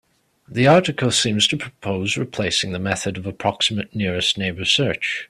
The article seems to propose replacing the method of approximate nearest neighbor search.